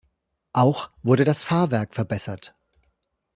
Auch wurde das Fahrwerk verbessert.